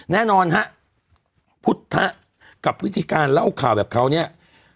แน่นอนฮะพุทธกับวิธีการเล่าข่าวแบบเขาเนี่ย